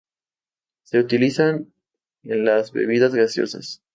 Se utilizan en las bebidas gaseosas.